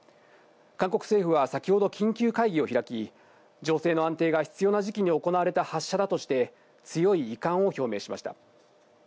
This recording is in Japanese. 韓国政府は先ほど緊急会議を開き、情勢の安定が必要な時期に行われた発射だとして強い遺憾を表明しました。